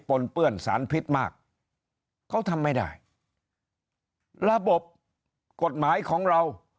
นเปื้อนสารพิษมากเขาทำไม่ได้ระบบกฎหมายของเรา